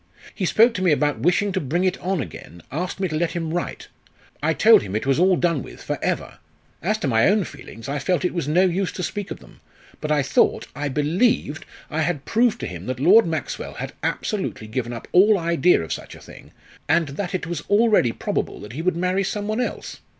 "He spoke to me about wishing to bring it on again asked me to let him write. I told him it was all done with for ever! As to my own feelings, I felt it was no use to speak of them; but I thought I believed, I had proved to him that Lord Maxwell had absolutely given up all idea of such a thing; and that it was already probable he would marry some one else.